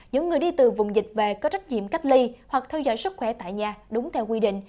những người đi từ vùng dịch về có trách nhiệm cách ly hoặc theo dõi sức khỏe tại nhà đúng theo quy định